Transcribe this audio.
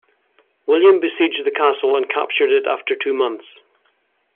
William besieged the castle and captured it after two months.